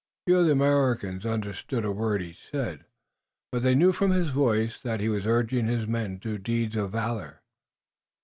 Few of the Americans understood a word he said, but they knew from his voice that he was urging his men to deeds of valor.